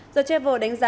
the travel đánh giá